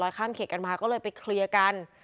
ข้ามเขตกันมาก็เลยไปเคลียร์กัน